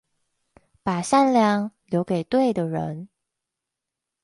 把良善留給對的人